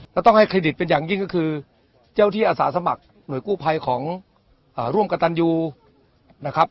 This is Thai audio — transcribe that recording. แล้วต้องให้เครดิตเป็นอย่างยิ่งก็คือเจ้าที่อาสาสมัครหน่วยกู้ภัยของร่วมกระตันยูนะครับ